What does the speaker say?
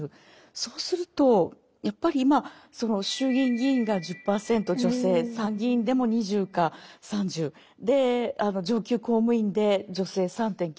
そうするとやっぱり今衆議院議員が１０％女性参議院でも２０か３０上級公務員で女性３．９％